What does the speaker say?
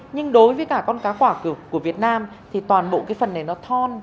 nhưng đối với cả con cá quả của việt nam thì toàn bộ cái phần này nó thon